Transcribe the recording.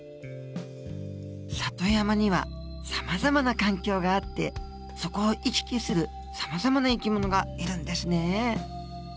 里山にはさまざまな環境があってそこを行き来するさまざまな生き物がいるんですね。